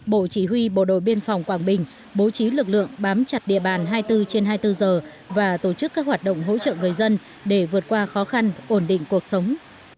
bộ chỉ huy bộ đội biên phòng quảng bình bố trí lực lượng bám chặt địa bàn hai mươi bốn trên hai mươi bốn giờ và tổ chức các hoạt động hỗ trợ người dân để vượt qua khó khăn ổn định cuộc sống